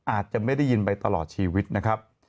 อาจจะไม่ได้ยินไปตลอดชีวิตนะครับ